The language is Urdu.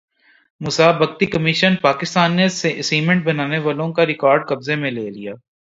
مسابقتی کمیشن پاکستان نے سیمنٹ بنانے والوں کا ریکارڈ قبضے میں لے لیا